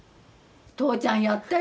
父ちゃんやったよ！